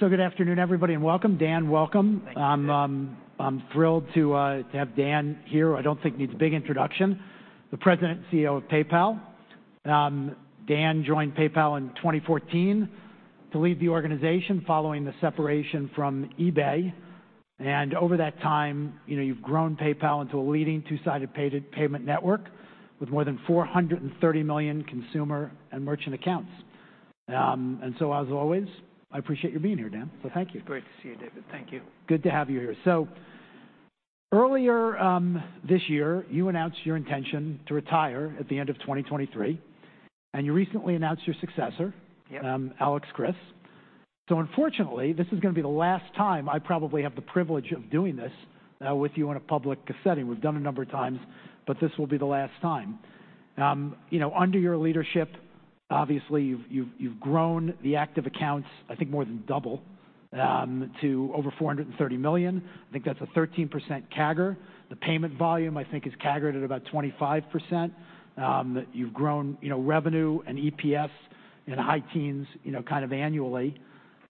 Good afternoon, everybody, and welcome. Dan, welcome. Thank you, David. I'm thrilled to have Dan here, who I don't think needs a big introduction, the President and CEO of PayPal. Dan joined PayPal in 2014 to lead the organization following the separation from eBay, and over that time, you know, you've grown PayPal into a leading two-sided payment network with more than 430 million consumer and merchant accounts. And so as always, I appreciate you being here, Dan, so thank you. It's great to see you, David. Thank you. Good to have you here. So earlier, this year, you announced your intention to retire at the end of 2023, and you recently announced your successor- Yeah. - Alex Chriss. So unfortunately, this is gonna be the last time I probably have the privilege of doing this, with you in a public setting. We've done it a number of times But this will be the last time. You know, under your leadership, obviously, you've grown the active accounts, I think, more than double, to over 430 million. I think that's a 13% CAGR. The payment volume, I think, is CAGR'd at about 25%. You've grown, you know, revenue and EPS in the high teens, you know, kind of annually.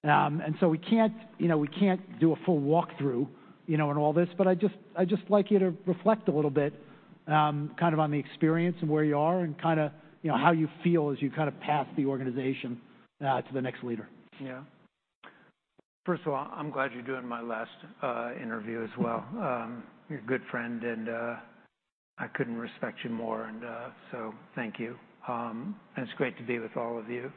And so we can't, you know, we can't do a full walkthrough, you know, on all this, but I'd just, I'd just like you to reflect a little bit, kind of on the experience and where you are and kind of, you know, how you feel as you kind of pass the organization to the next leader. Yeah. First of all, I'm glad you're doing my last interview as well. You're a good friend, and I couldn't respect you more, and so thank you. And it's great to be with all of you.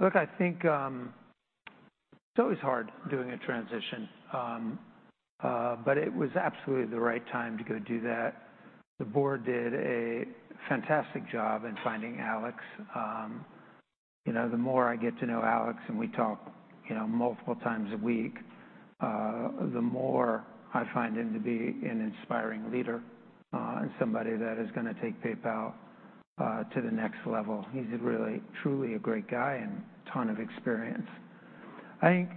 Look, I think it's always hard doing a transition, but it was absolutely the right time to go do that. The board did a fantastic job in finding Alex. You know, the more I get to know Alex, and we talk you know multiple times a week, the more I find him to be an inspiring leader, and somebody that is gonna take PayPal to the next level. He's really truly a great guy and ton of experience. I think,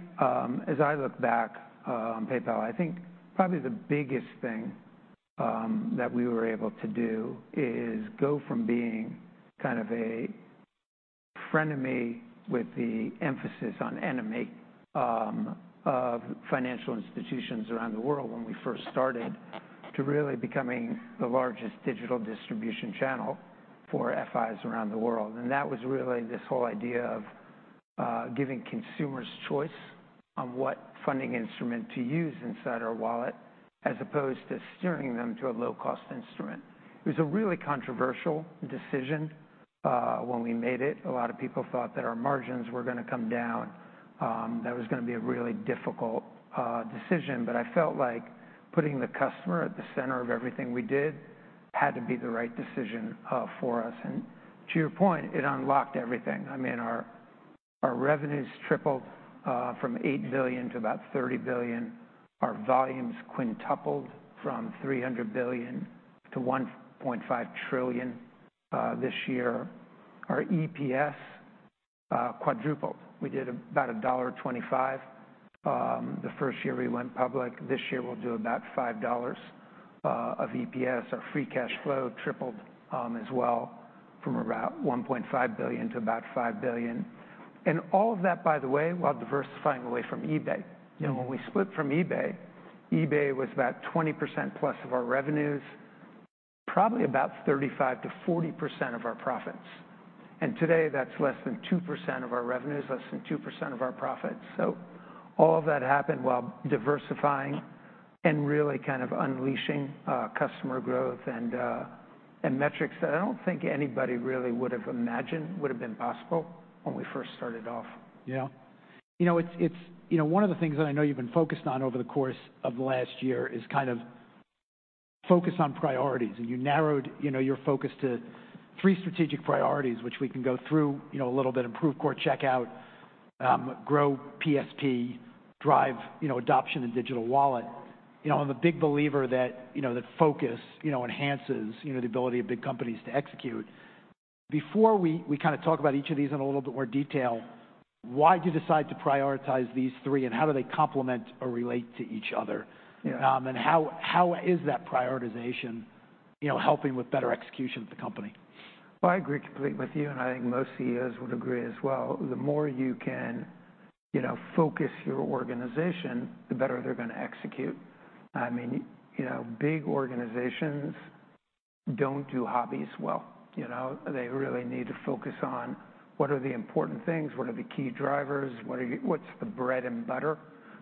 as I look back on PayPal, I think probably the biggest thing that we were able to do is go from being kind of a frenemy, with the emphasis on enemy, of financial institutions around the world when we first started, to really becoming the largest digital distribution channel for FIs around the world. That was really this whole idea of giving consumers choice on what funding instrument to use inside our wallet, as opposed to steering them to a low-cost instrument. It was a really controversial decision when we made it. A lot of people thought that our margins were gonna come down, that was gonna be a really difficult decision. But I felt like putting the customer at the center of everything we did had to be the right decision for us. To your point, it unlocked everything. I mean, our revenues tripled from $8 billion-$30 billion. Our volumes quintupled from $300 billion-$1.5 trillion this year. Our EPS quadrupled. We did about $1.25 the first year we went public. This year, we'll do about $5 of EPS. Our free cash flow tripled as well, from about $1.5 billion to about $5 billion. All of that, by the way, while diversifying away from eBay. Yeah. You know, when we split from eBay, eBay was about 20% plus of our revenues, probably about 35%-40% of our profits, and today that's less than 2% of our revenues, less than 2% of our profits. So all of that happened while diversifying and really kind of unleashing customer growth and metrics that I don't think anybody really would have imagined would have been possible when we first started off. Yeah. You know, it's... You know, one of the things that I know you've been focused on over the course of the last year is kind of focus on priorities, and you narrowed, you know, your focus to three strategic priorities, which we can go through, you know, a little bit: improve checkout, grow PSP, drive, you know, adoption in digital wallet. You know, I'm a big believer that, you know, that focus, you know, enhances, you know, the ability of big companies to execute. Before we kind of talk about each of these in a little bit more detail, why'd you decide to prioritize these three, and how do they complement or relate to each other? Yeah. How is that prioritization, you know, helping with better execution of the company? Well, I agree completely with you, and I think most CEOs would agree as well. The more you can, you know, focus your organization, the better they're gonna execute. I mean, you know, big organizations don't do hobbies well, you know? They really need to focus on what are the important things, what are the key drivers, what's the bread and butter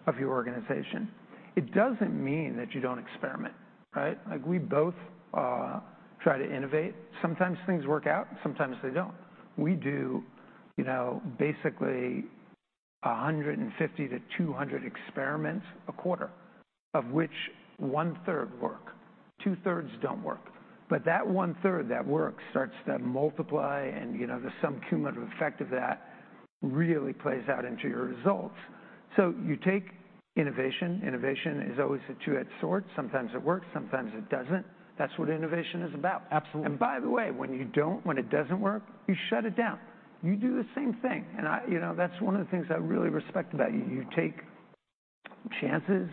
of your organization. It doesn't mean that you don't experiment, right? Like, we both try to innovate. Sometimes things work out, sometimes they don't. We do, you know, basically, 150-200 experiments a quarter, of which 1/3 work. 2/3 don't work, but that 1/3 that works starts to multiply, and, you know, the sum cumulative effect of that really plays out into your results. So you take innovation. Innovation is always a two-edged sword. Sometimes it works, sometimes it doesn't. That's what innovation is about. Absolutely. And by the way, when you don't, when it doesn't work, you shut it down. You do the same thing, and you know, that's one of the things I really respect about you. You take chances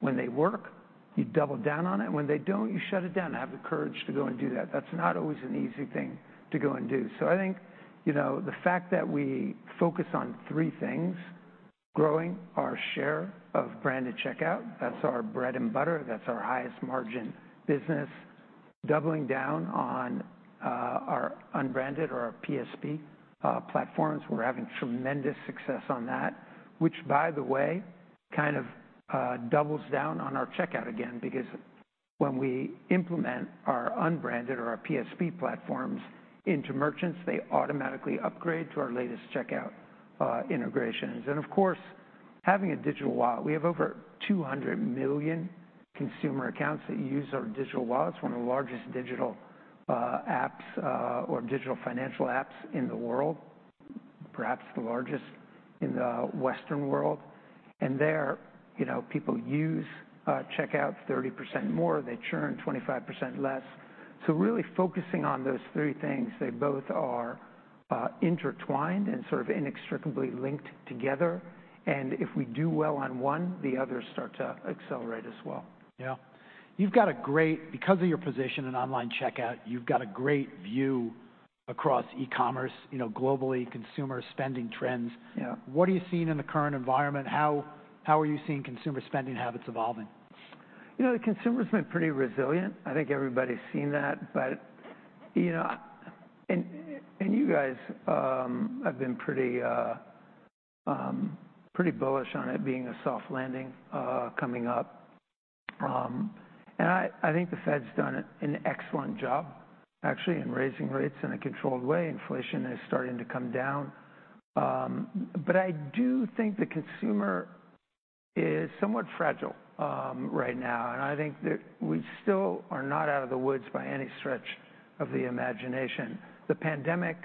when they work, you double down on it. When they don't, you shut it down, and have the courage to go and do that. That's not always an easy thing to go and do. So I think, you know, the fact that we focus on three things: growing our share of branded checkout, that's our bread and butter, that's our highest margin business. Doubling down on our unbranded or our PSP platforms, we're having tremendous success on that, which, by the way, kind of doubles down on our checkout again, because when we implement our unbranded or our PSP platforms into merchants, they automatically upgrade to our latest checkout integrations. And of course, having a digital wallet. We have over 200 million consumer accounts that use our digital wallets, one of the largest digital apps or digital financial apps in the world, perhaps the largest in the Western world. And there, you know, people use checkout 30% more. They churn 25% less. So really focusing on those three things, they both are intertwined and sort of inextricably linked together, and if we do well on one, the others start to accelerate as well. Yeah. Because of your position in online checkout, you've got a great view across e-commerce, you know, globally, consumer spending trends. Yeah. What are you seeing in the current environment? How are you seeing consumer spending habits evolving? You know, the consumer's been pretty resilient. I think everybody's seen that. But, you know, and you guys have been pretty, pretty bullish on it being a soft landing coming up. And I think the Fed's done an excellent job, actually, in raising rates in a controlled way. Inflation is starting to come down. But I do think the consumer is somewhat fragile right now, and I think that we still are not out of the woods by any stretch of the imagination. The pandemic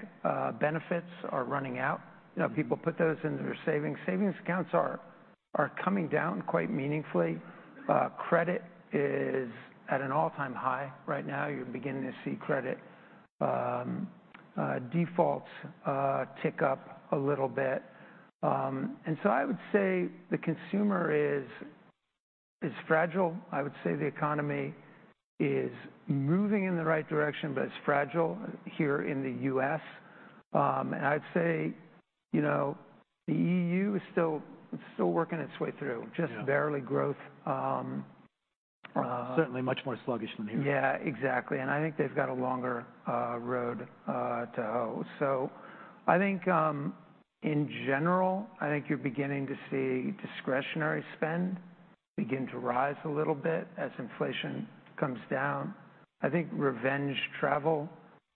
benefits are running out. You know, people put those into their savings. Savings accounts are coming down quite meaningfully. Credit is at an all-time high right now. You're beginning to see credit defaults tick up a little bit. And so I would say the consumer is fragile. I would say the economy is moving in the right direction, but it's fragile here in the U.S. And I'd say, you know, the E.U. is still working its way through just barely growth. Certainly much more sluggish than here. Yeah, exactly, and I think they've got a longer road to hoe. So I think in general, I think you're beginning to see discretionary spend begin to rise a little bit as inflation comes down. I think revenge travel,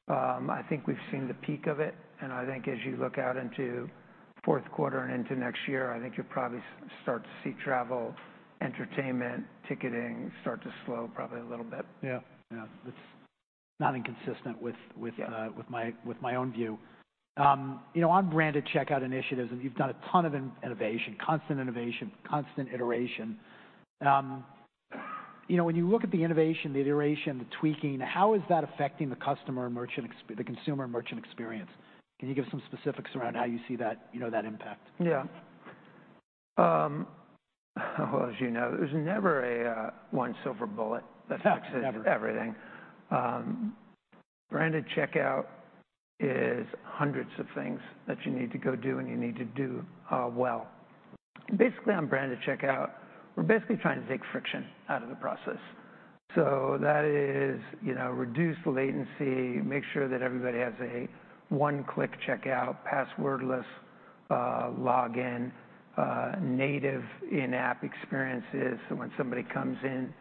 I think we've seen the peak of it, and I think as you look out into fourth quarter and into next year, I think you'll probably start to see travel, entertainment, ticketing start to slow probably a little bit. Yeah. Yeah, it's not inconsistent with with my, with my own view. You know, on branded checkout initiatives, and you've done a ton of innovation, constant innovation, constant iteration. You know, when you look at the innovation, the iteration, the tweaking, how is that affecting the customer and merchant—the consumer and merchant experience? Can you give some specifics around how you see that, you know, that impact? Yeah. Well, as you know, there's never a one silver bullet that fixes everything. Branded checkout is hundreds of things that you need to go do, and you need to do well. Basically, on branded checkout, we're basically trying to take friction out of the process. That is, you know, reduce latency, make sure that everybody has a one-click checkout, passwordless login, native in-app experiences, so when somebody comes in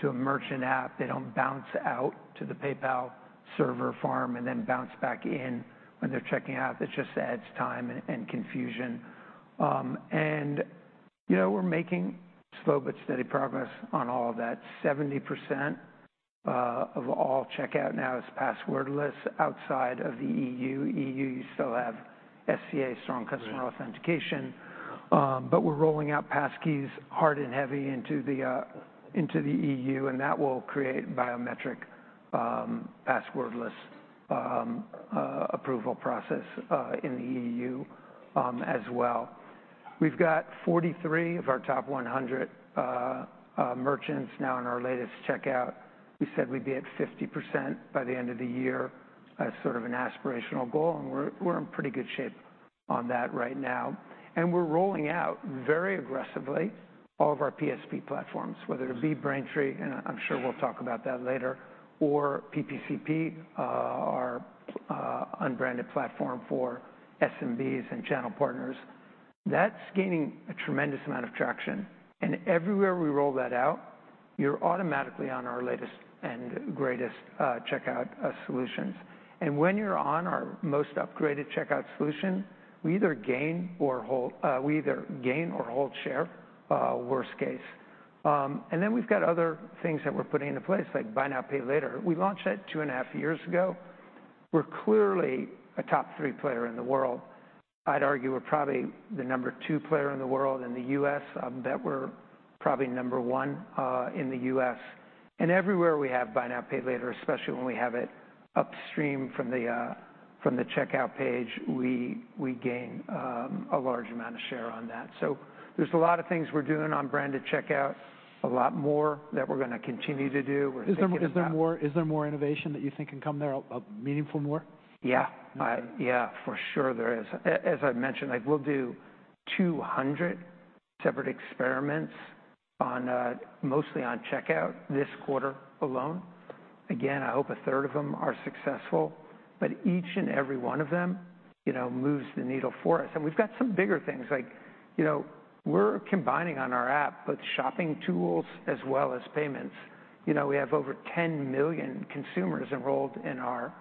to a merchant app, they don't bounce out to the PayPal server farm and then bounce back in when they're checking out. That just adds time and confusion. You know, we're making slow but steady progress on all of that. 70% of all checkout now is passwordless outside of the E.U. E.U., you still have SCA, strong customer- Right... authentication, but we're rolling out passkeys hard and heavy into the E.U., and that will create biometric, passwordless, approval process in the E.U., as well. We've got 43 of our top 100 merchants now in our latest checkout. We said we'd be at 50% by the end of the year as sort of an aspirational goal, and we're in pretty good shape on that right now. We're rolling out, very aggressively, all of our PSP platforms, whether it be Braintree, and I'm sure we'll talk about that later, or PPCP, our unbranded platform for SMBs and channel partners. That's gaining a tremendous amount of traction, and everywhere we roll that out, you're automatically on our latest and greatest checkout solutions. When you're on our most upgraded checkout solution, we either gain or hold, we either gain or hold share, worst case. Then we've got other things that we're putting into place, like Buy Now, Pay Later. We launched that 2.5 years ago. We're clearly a top-three player in the world. I'd argue we're probably the number 2 player in the world, in the U.S. I bet we're probably number 1 in the U.S. And everywhere we have Buy Now, Pay Later, especially when we have it upstream from the checkout page, we gain a large amount of share on that. So there's a lot of things we're doing on branded checkout, a lot more that we're gonna continue to do. We're thinking about- Is there more innovation that you think can come there, a meaningful more? Yeah. Okay. Yeah, for sure there is. As I've mentioned, like, we'll do 200 separate experiments on, mostly on checkout this quarter alone. Again, I hope a third of them are successful, but each and every one of them, you know, moves the needle for us. And we've got some bigger things like, you know, we're combining on our app, both shopping tools as well as payments. You know, we have over 10 million consumers enrolled in our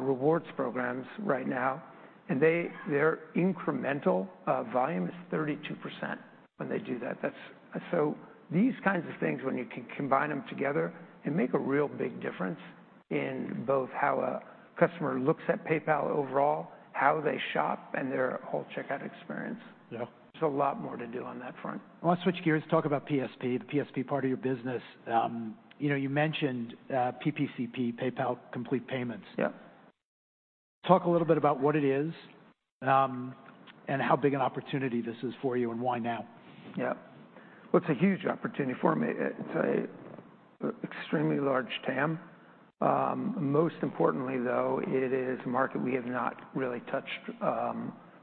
rewards programs right now, and their incremental volume is 32% when they do that. So these kinds of things, when you can combine them together, can make a real big difference in both how a customer looks at PayPal overall, how they shop, and their whole checkout experience. Yeah. There's a lot more to do on that front. I want to switch gears, talk about PSP, the PSP part of your business. You know, you mentioned, PPCP, PayPal Complete Payments. Yeah. Talk a little bit about what it is, and how big an opportunity this is for you, and why now? Yeah. Well, it's a huge opportunity for me. It's a extremely large TAM. Most importantly, though, it is a market we have not really touched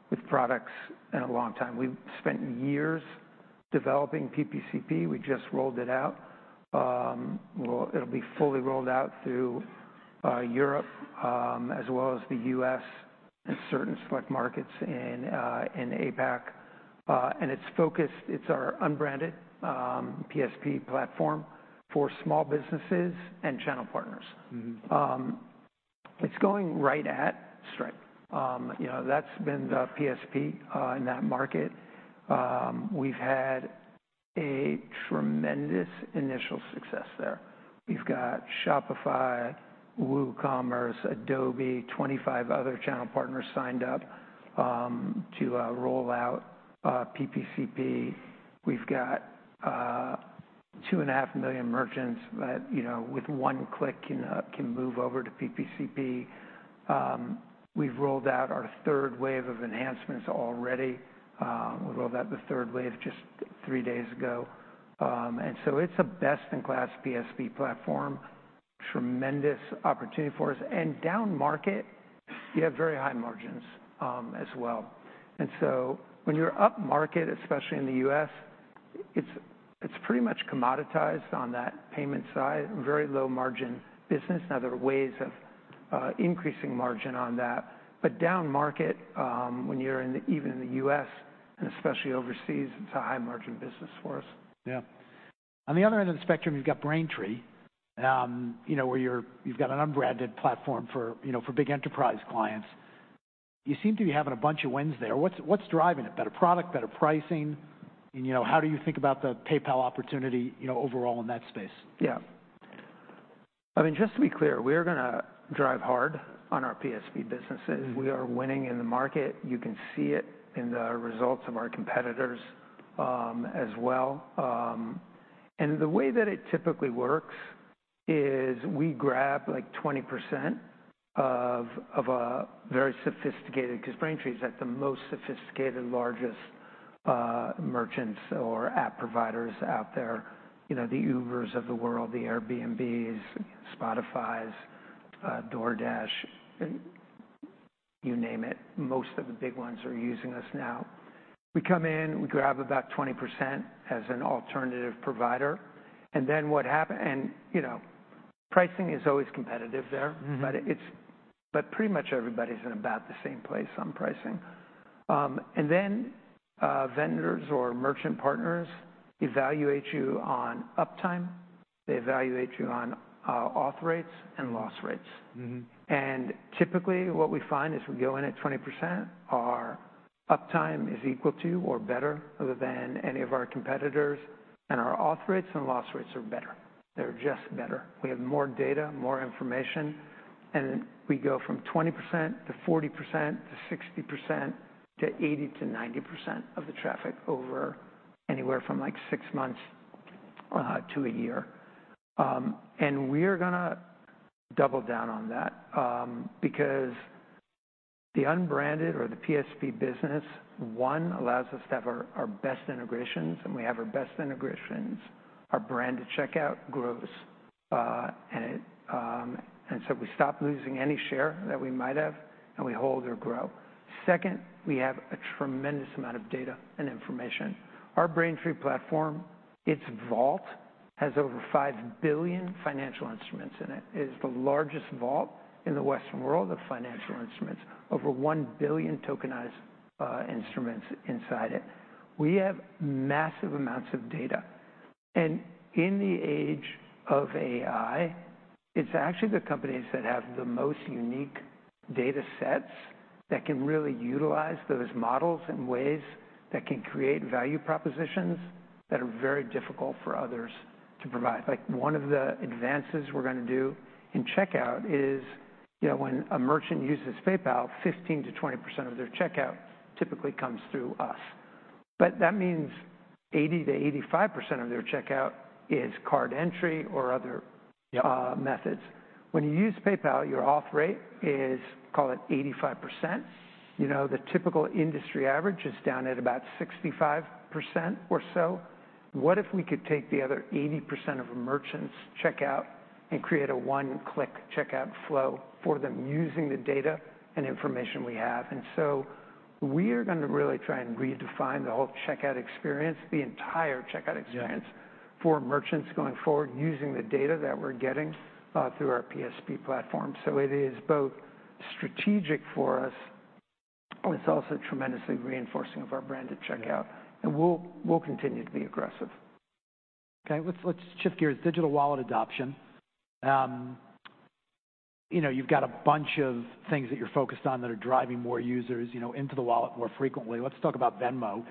with products in a long time. We've spent years developing PPCP. We just rolled it out. Well, it'll be fully rolled out through Europe, as well as the U.S. and certain select markets in APAC. And it's our unbranded PSP platform for small businesses and channel partners. Mm-hmm. It's going right at Stripe. You know, that's been the PSP in that market. We've had a tremendous initial success there. We've got Shopify, WooCommerce, Adobe, 25 other channel partners signed up to roll out PPCP. We've got 2.5 million merchants that, you know, with one click, can move over to PPCP. We've rolled out our third wave of enhancements already. We rolled out the third wave just 3 days ago. And so it's a best-in-class PSP platform, tremendous opportunity for us. And downmarket, you have very high margins as well. And so when you're upmarket, especially in the U.S., it's pretty much commoditized on that payment side, very low margin business. Now, there are ways of increasing margin on that, but downmarket, when you're in, even in the U.S. and especially overseas, it's a high-margin business for us. Yeah. On the other end of the spectrum, you've got Braintree, you know, where you've got an unbranded platform for, you know, for big enterprise clients. You seem to be having a bunch of wins there. What's driving it? Better product, better pricing? You know, how do you think about the PayPal opportunity, you know, overall in that space? Yeah. I mean, just to be clear, we are gonna drive hard on our PSP businesses. Mm-hmm. We are winning in the market. You can see it in the results of our competitors, as well. And the way that it typically works is we grab, like, 20% of, of a very sophisticated because Braintree is at the most sophisticated, largest, merchants or app providers out there. You know, the Ubers of the world, the Airbnbs, Spotifys, DoorDash, and you name it. Most of the big ones are using us now. We come in, we grab about 20% as an alternative provider, and then, you know, pricing is always competitive there. Mm-hmm. But pretty much everybody's in about the same place on pricing. And then, vendors or merchant partners evaluate you on uptime, they evaluate you on auth rates, and loss rates. Mm-hmm. Typically, what we find is we go in at 20%, our uptime is equal to or better than any of our competitors, and our auth rates and loss rates are better. They're just better. We have more data, more information, and we go from 20%-40%-60%-80%-90% of the traffic over anywhere from, like, six months to a year. We're gonna double down on that, because the unbranded or the PSP business, one, allows us to have our best integrations, and we have our best integrations. Our branded checkout grows, and it, and so we stop losing any share that we might have, and we hold or grow. Second, we have a tremendous amount of data and information. Our Braintree platform, its vault, has over 5 billion financial instruments in it. It is the largest vault in the Western world of financial instruments, over 1 billion tokenized instruments inside it. We have massive amounts of data, and in the age of AI, it's actually the companies that have the most unique data sets that can really utilize those models in ways that can create value propositions that are very difficult for others to provide. Like, one of the advances we're gonna do in checkout is, you know, when a merchant uses PayPal, 15%-20% of their checkout typically comes through us... but that means 80%-85% of their checkout is card entry or other- Yeah methods. When you use PayPal, your auth rate is, call it 85%. You know, the typical industry average is down at about 65% or so. What if we could take the other 80% of a merchant's checkout and create a one-click checkout flow for them using the data and information we have? And so we are gonna really try and redefine the whole checkout experience, the entire checkout experience. Yeah for merchants going forward, using the data that we're getting through our PSP platform. So it is both strategic for us, and it's also tremendously reinforcing of our brand at checkout. Yeah. We'll continue to be aggressive. Okay, let's shift gears. Digital wallet adoption. You know, you've got a bunch of things that you're focused on that are driving more users, you know, into the wallet more frequently. Let's talk about Venmo.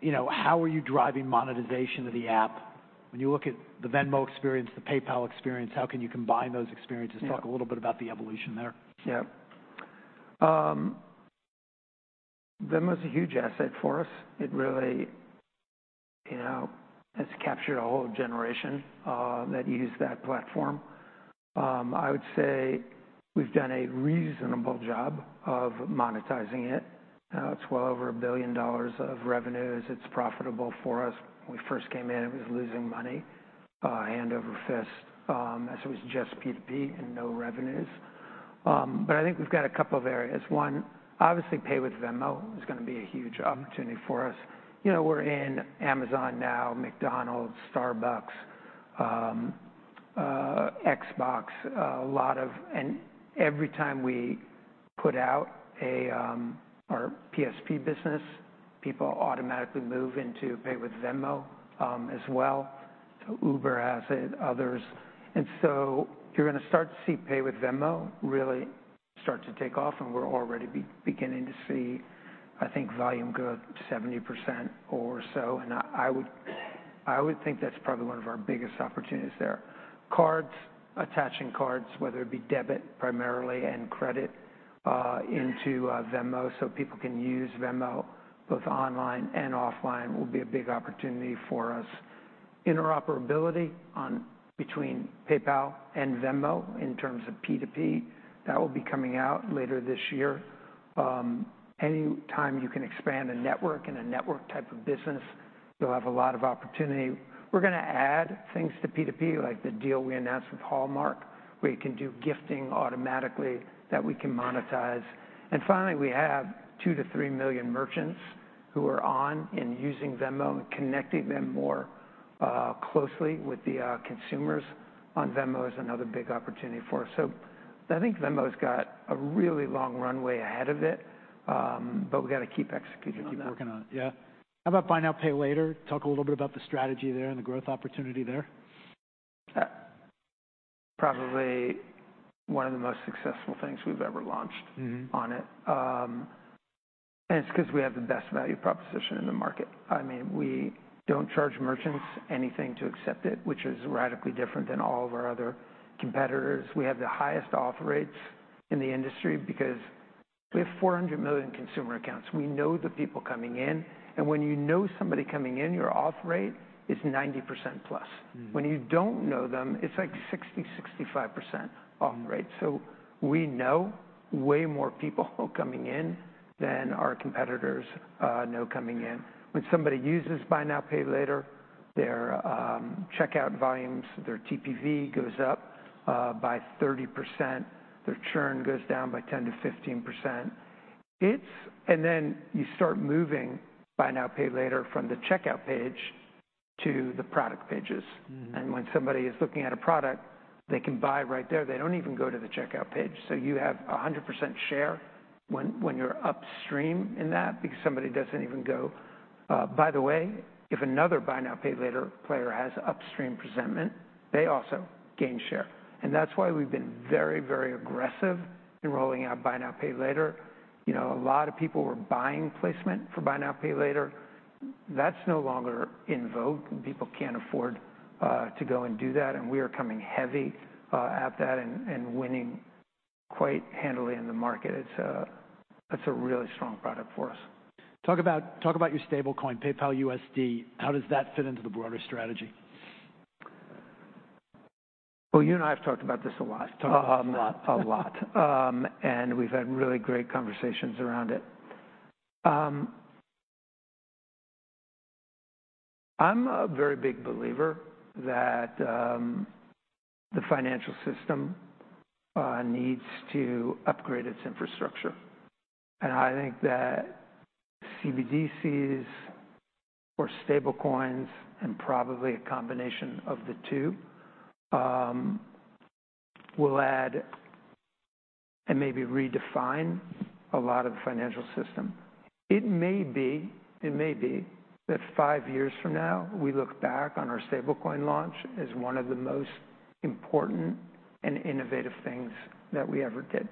You know, how are you driving monetization of the app? When you look at the Venmo experience, the PayPal experience, how can you combine those experiences? Yeah. Talk a little bit about the evolution there. Yeah. Venmo's a huge asset for us. It really, you know, has captured a whole generation that use that platform. I would say we've done a reasonable job of monetizing it. It's well over $1 billion of revenues. It's profitable for us. When we first came in, it was losing money hand over fist, as it was just P2P and no revenues. But I think we've got a couple of areas. One, obviously Pay with Venmo is gonna be a huge opportunity for us. You know, we're in Amazon now, McDonald's, Starbucks, Xbox, a lot of-- And every time we put out our PSP business, people automatically move into Pay with Venmo as well. So Uber has it, others. And so you're gonna start to see Pay with Venmo really start to take off, and we're already beginning to see, I think, volume go up 70% or so, and I, I would, I would think that's probably one of our biggest opportunities there. Cards, attaching cards, whether it be debit primarily and credit, into, Venmo, so people can use Venmo both online and offline, will be a big opportunity for us. Interoperability on between PayPal and Venmo in terms of P2P, that will be coming out later this year. Any time you can expand a network in a network type of business, you'll have a lot of opportunity. We're gonna add things to P2P, like the deal we announced with Hallmark, where you can do gifting automatically that we can monetize. Finally, we have 2-3 million merchants who are on and using Venmo, and connecting them more closely with the consumers on Venmo is another big opportunity for us. I think Venmo's got a really long runway ahead of it, but we've got to keep executing on that. Keep working on it. Yeah. How about Buy Now, Pay Later? Talk a little bit about the strategy there and the growth opportunity there. Yeah. Probably one of the most successful things we've ever launched- Mm-hmm... on it. And it's because we have the best value proposition in the market. I mean, we don't charge merchants anything to accept it, which is radically different than all of our other competitors. We have the highest auth rates in the industry because we have 400 million consumer accounts. We know the people coming in, and when you know somebody coming in, your auth rate is 90% plus. Mm. When you don't know them, it's like 60%-65% auth rate. Mm. So we know way more people coming in than our competitors know coming in. When somebody uses Buy Now, Pay Later, their checkout volumes, their TPV goes up by 30%. Their churn goes down by 10%-15%. It's. And then you start moving Buy Now, Pay Later from the checkout page to the product pages. Mm-hmm. When somebody is looking at a product, they can buy right there. They don't even go to the checkout page. So you have 100% share when you're upstream in that, because somebody doesn't even go... By the way, if another Buy Now, Pay Later player has upstream presentment, they also gain share. And that's why we've been very, very aggressive in rolling out Buy Now, Pay Later. You know, a lot of people were buying placement for Buy Now, Pay Later. That's no longer in vogue. People can't afford to go and do that, and we are coming heavy at that and winning quite handily in the market. It's a. That's a really strong product for us. Talk about your stablecoin, PayPal USD, how does that fit into the broader strategy? Well, you and I have talked about this a lot. Talked a lot. A lot. And we've had really great conversations around it. I'm a very big believer that the financial system needs to upgrade its infrastructure, and I think that CBDCs or stablecoins, and probably a combination of the two, will add and maybe redefine a lot of the financial system. It may be, it may be that five years from now, we look back on our stablecoin launch as one of the most important and innovative things that we ever did.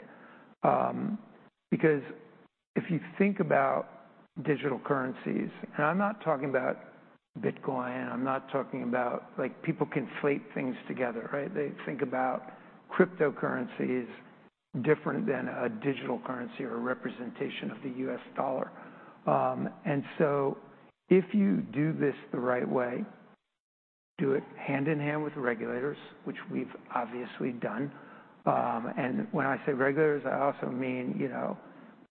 Because if you think about digital currencies, and I'm not talking about Bitcoin, I'm not talking about. Like, people conflate things together, right? They think about cryptocurrencies, different than a digital currency or a representation of the U.S. dollar. And so if you do this the right way, do it hand in hand with the regulators, which we've obviously done. When I say regulators, I also mean, you know,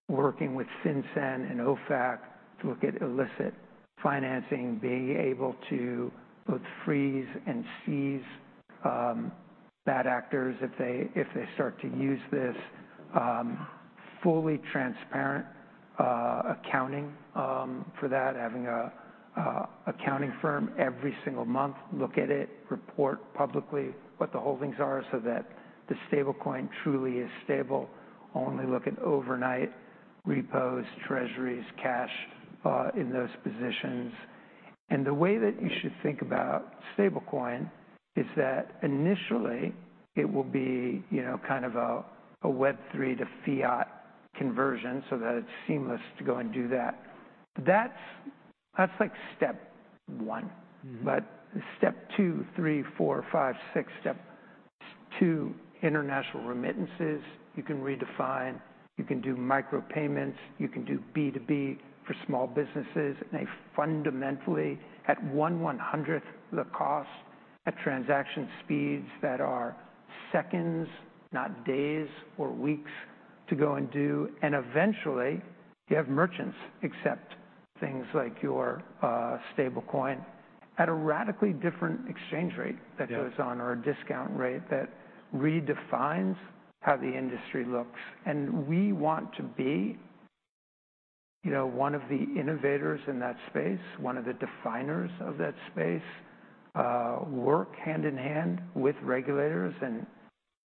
working with FinCEN and OFAC to look at illicit financing, being able to both freeze and seize, you know, bad actors if they, if they start to use this, fully transparent accounting for that, having a, a, accounting firm every single month look at it, report publicly what the holdings are so that the stable coin truly is stable. Only look at overnight repos, treasuries, cash in those positions. The way that you should think about stablecoin is that initially it will be, you know, kind of a, a Web3 to fiat conversion so that it's seamless to go and do that. That's, that's like step one. Mm-hmm. But step two, three, four, five, six, step two, international remittances, you can redefine, you can do micro payments, you can do B2B for small businesses, and they fundamentally, at 1/100th the cost, at transaction speeds that are seconds, not days or weeks to go and do. And eventually, you have merchants accept things like your Stablecoin at a radically different exchange rate. Yeah... that goes on, or a discount rate that redefines how the industry looks. And we want to be, you know, one of the innovators in that space, one of the definers of that space, work hand in hand with regulators. And,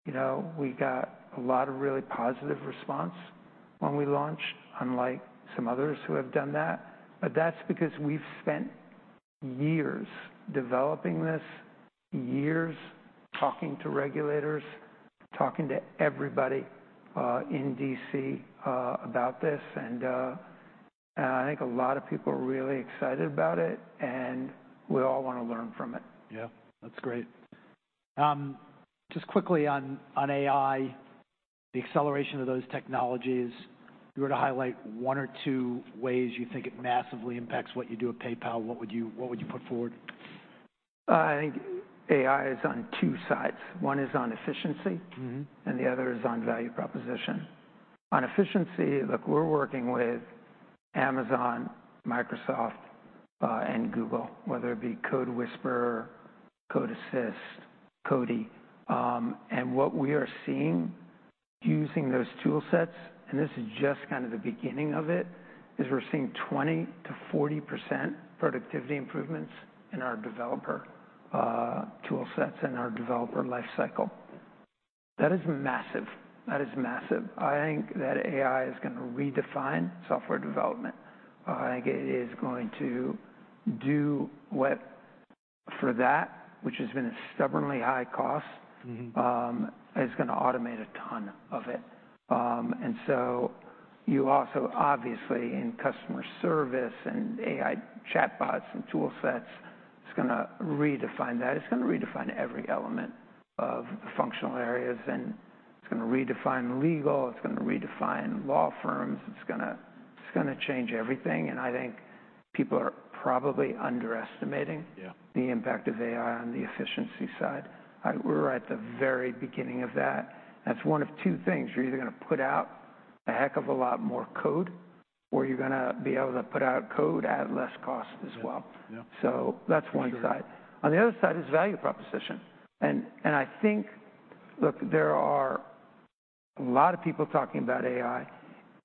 you know, we got a lot of really positive response when we launched, unlike some others who have done that. But that's because we've spent years developing this, years talking to regulators, talking to everybody, in D.C., about this. And, and I think a lot of people are really excited about it, and we all wanna learn from it. Yeah. That's great. Just quickly on AI, the acceleration of those technologies, if you were to highlight one or two ways you think it massively impacts what you do at PayPal, what would you put forward? I think AI is on two sides. One is on efficiency- Mm-hmm... and the other is on value proposition. On efficiency, look, we're working with Amazon, Microsoft, and Google, whether it be CodeWhisperer, CodeAssist, Codey. And what we are seeing using those tool sets, and this is just kind of the beginning of it, is we're seeing 20%-40% productivity improvements in our developer tool sets and our developer life cycle. That is massive. That is massive. I think that AI is gonna redefine software development. I think it is going to do what, for that, which has been a stubbornly high cost- Mm-hmm... is gonna automate a ton of it. And so you also, obviously, in customer service and AI chatbots and tool sets, it's gonna redefine that. It's gonna redefine every element of the functional areas, and it's gonna redefine legal, it's gonna redefine law firms. It's gonna change everything, and I think people are probably underestimating- Yeah... the impact of AI on the efficiency side. We're at the very beginning of that. That's one of two things. You're either gonna put out a heck of a lot more code, or you're gonna be able to put out code at less cost as well. Yeah. Yeah. That's one side. Sure. On the other side is value proposition. And I think... Look, there are a lot of people talking about AI.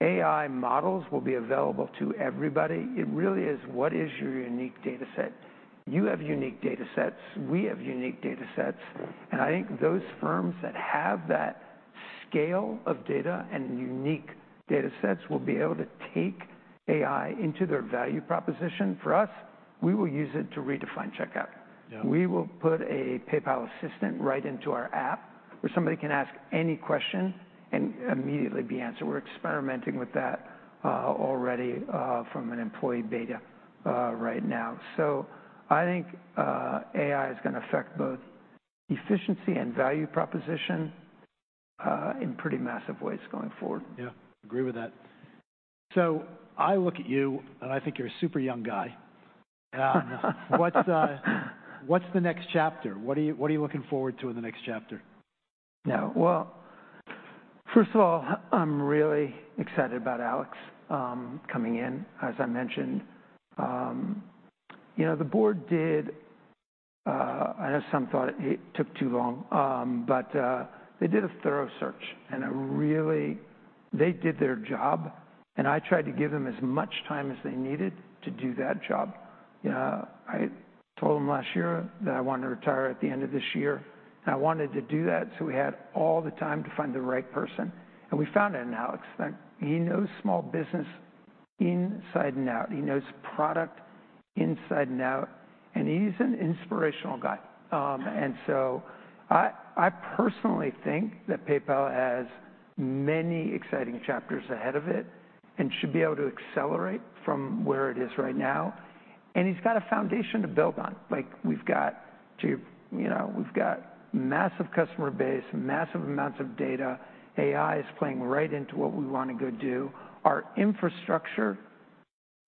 AI models will be available to everybody. It really is, what is your unique dataset? You have unique datasets. We have unique datasets, and I think those firms that have that scale of data and unique datasets will be able to take AI into their value proposition. For us, we will use it to redefine checkout. Yeah. We will put a PayPal assistant right into our app, where somebody can ask any question and immediately be answered. We're experimenting with that, already, from an employee beta, right now. So I think, AI is gonna affect both efficiency and value proposition, in pretty massive ways going forward. Yeah. Agree with that. So I look at you, and I think you're a super young guy. What's, what's the next chapter? What are you, what are you looking forward to in the next chapter? Yeah. Well, first of all, I'm really excited about Alex coming in, as I mentioned. You know, the board did, I know some thought it took too long, but they did a thorough search, and they did their job, and I tried to give them as much time as they needed to do that job. You know, I told them last year that I wanted to retire at the end of this year, and I wanted to do that, so we had all the time to find the right person, and we found it in Alex. He knows small business inside and out. He knows product inside and out, and he's an inspirational guy. And so I personally think that PayPal has many exciting chapters ahead of it and should be able to accelerate from where it is right now. He's got a foundation to build on. Like, we've got to, you know, we've got massive customer base, massive amounts of data. AI is playing right into what we wanna go do. Our infrastructure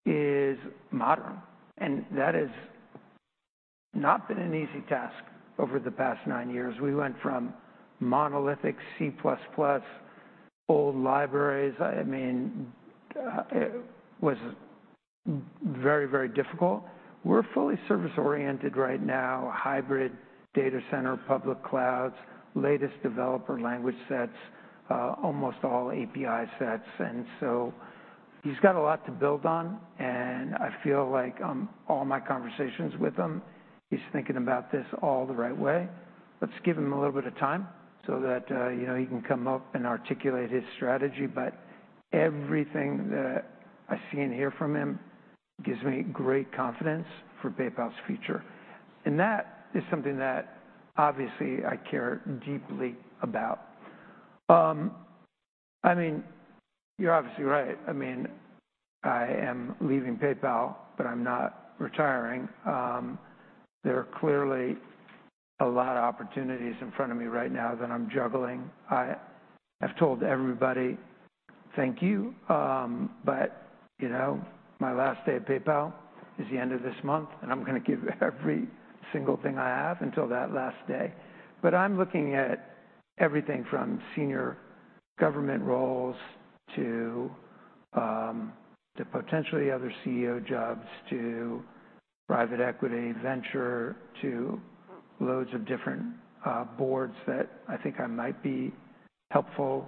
is modern, and that has not been an easy task over the past nine years. We went from monolithic C++ old libraries. I mean, it was very, very difficult. We're fully service-oriented right now, hybrid data center, public clouds, latest developer language sets, almost all API sets. And so he's got a lot to build on, and I feel like on all my conversations with him, he's thinking about this all the right way. Let's give him a little bit of time so that, you know, he can come up and articulate his strategy, but everything that I see and hear from him gives me great confidence for PayPal's future, and that is something that obviously I care deeply about. I mean, you're obviously right. I mean, I am leaving PayPal, but I'm not retiring. There are clearly a lot of opportunities in front of me right now that I'm juggling. I've told everybody, thank you, but, you know, my last day at PayPal is the end of this month, and I'm gonna give every single thing I have until that last day. I'm looking at everything from senior government roles to potentially other CEO jobs, to private equity, venture, to loads of different boards that I think I might be helpful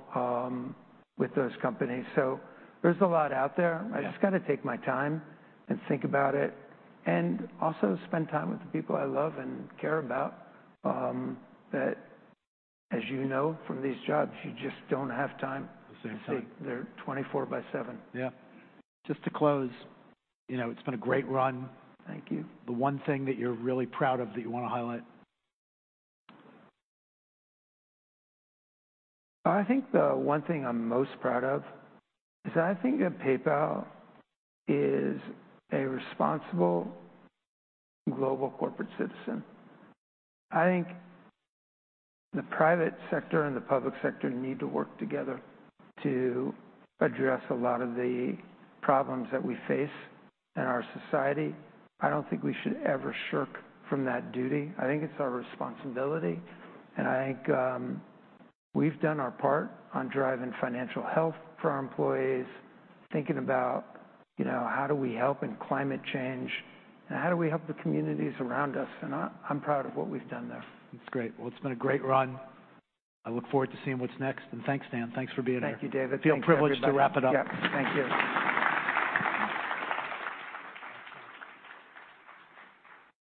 with those companies. There's a lot out there. Yeah. I just gotta take my time and think about it, and also spend time with the people I love and care about, that, as you know, from these jobs, you just don't have time- The same. They're 24/7. Yeah. Just to close, you know, it's been a great run. Thank you. The one thing that you're really proud of, that you wanna highlight? I think the one thing I'm most proud of is I think that PayPal is a responsible global corporate citizen. I think the private sector and the public sector need to work together to address a lot of the problems that we face in our society. I don't think we should ever shirk from that duty. I think it's our responsibility, and I think, we've done our part on driving financial health for our employees, thinking about, you know, how do we help in climate change, and how do we help the communities around us? And I, I'm proud of what we've done there. That's great. Well, it's been a great run. I look forward to seeing what's next. Thanks, Dan. Thanks for being here. Thank you, David. Feel privileged to wrap it up. Yeah. Thank you.